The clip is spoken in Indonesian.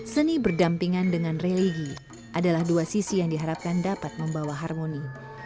seni berdampingan dengan religi adalah dua sisi yang diharapkan dapat membawa harmoni